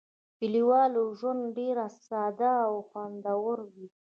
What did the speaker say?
کلیوالي ژوند ډېر ساده او خوندور وي.